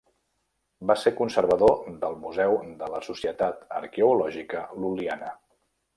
Va ser conservador del Museu de la Societat Arqueològica Lul·liana.